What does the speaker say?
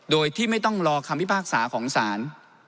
โดยที่ไม่ต้องรอคำพิพากษาของศาล